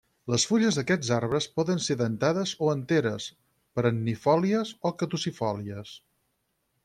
Les fulles d'aquests arbres poden ser dentades o enteres, perennifòlies o caducifòlies.